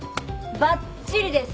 ばっちりです。